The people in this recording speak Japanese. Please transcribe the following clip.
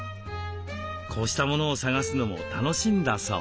こうしたものを探すのも楽しいんだそう。